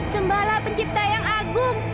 sembalah pencipta yang agung